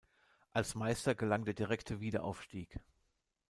Als Meister gelang der direkte Wiederaufstieg.